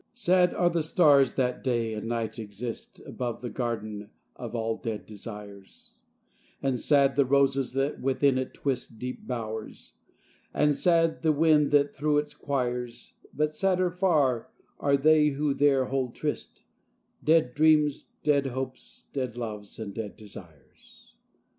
Sad are the stars that day and night exist Above the Garden of all Dead Desires; And sad the roses that within it twist Deep bow'rs; and sad the wind that through it quires; But sadder far are they who there hold tryst Dead dreams, dead hopes, dead loves, and dead desires.